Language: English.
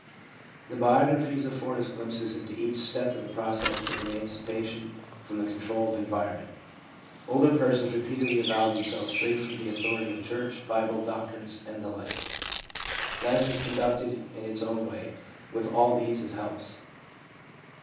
The biographies afford us glimpses into each step of the process of emancipation from the control of environ ment. Older persons repeatedly avow themselves free from the authority of church, Bible, doctrines, and the like. Life is conducted in its own way, with all these as helps.